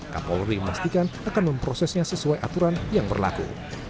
kapolri memastikan akan memprosesnya sesuai aturan yang berlaku